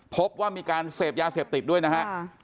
พบว่ามีการเสพยาเสพติดด้วยนะฮะ